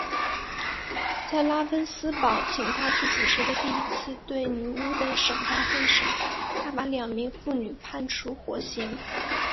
在拉芬斯堡请他去主持的第一次对女巫的审判会上他把两名妇女判处火刑。